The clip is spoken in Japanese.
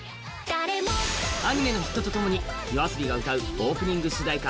アニメのヒットとともにＹＯＡＳＯＢＩが歌うオープニング主題歌